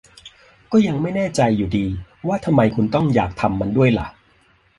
ก็ยังไม่แน่ใจอยู่ดีว่าทำไมคุณต้องอยากทำมันด้วยล่ะ